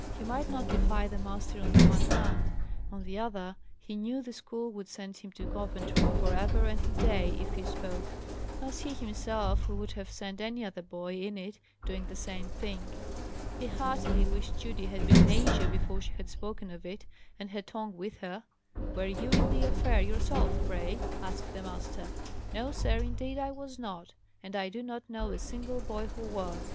He might not defy the master, on the one hand; on the other, he knew the school would send him to Coventry for ever and a day, if he spoke; as he himself would have sent any other boy, in it, doing the same thing. He heartily wished Judy had been in Asia before she had spoken of it, and her tongue with her. "Were you in the affair yourself, pray?" asked the master. "No, sir, indeed I was not; and I do not know a single boy who was.